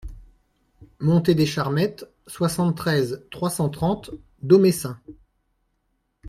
Montée des Charmettes, soixante-treize, trois cent trente Domessin